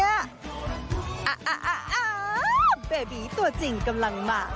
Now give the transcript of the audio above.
อ่าอ่าอ่าแบบีตัวจริงกำลังมา